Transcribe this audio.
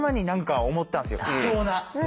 貴重な。